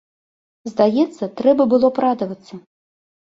Здаецца, трэба было б радавацца.